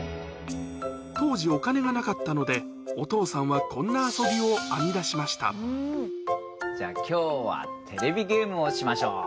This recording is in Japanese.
当時、お金がなかったので、お父さんはこんな遊びを編み出しじゃあ、きょうはテレビゲームをしましょう。